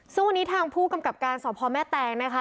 ซึ่งวันนี้ทางผู้กำกับการสอบพ่อแม่แตงนะคะ